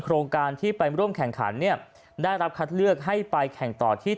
โครงการที่ไปร่วมแข่งขันเนี่ยได้รับคัดเลือกให้ไปแข่งต่อที่